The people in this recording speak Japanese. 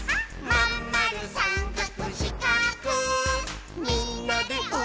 「まんまるさんかくしかくみんなでおどっちゃおう」